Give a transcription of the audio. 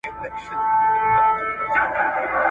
نو حيرانيږم چې د انټرنټ او امکاناتو په نشتون کې